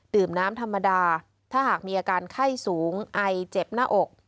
น้ำธรรมดาถ้าหากมีอาการไข้สูงไอเจ็บหน้าอก